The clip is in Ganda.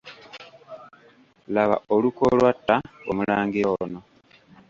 Laba olukwe olwatta Omulangira ono.